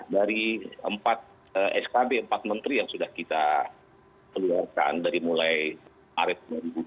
dari empat skb empat menteri yang sudah kita keluarkan dari mulai maret dua ribu dua puluh